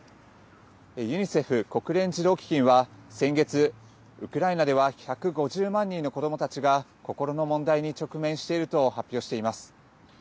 ユニセフ＝国連児童基金は先月ウクライナでは１５０万人の子どもたちが心の問題に直面していると発表しています。